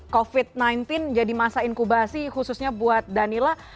covid sembilan belas jadi masa inkubasi khususnya buat danila